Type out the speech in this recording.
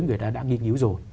người ta đã nghiên cứu rồi